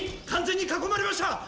完全に囲まれました！